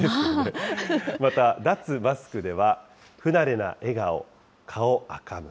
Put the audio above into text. また、脱マスクでは、不慣れな笑顔・顔赤む。